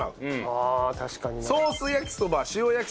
ああ確かにな。